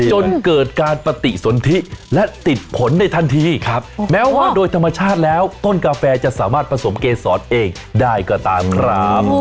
จนเกิดการปฏิสนทิและติดผลได้ทันทีครับแม้ว่าโดยธรรมชาติแล้วต้นกาแฟจะสามารถผสมเกษรเองได้ก็ตามครับ